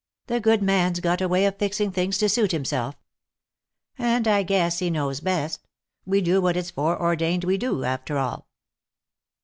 "The Good Man's got a way of fixing things to suit Himself. And I guess He knows best. We do what it's foreordained we do, after all."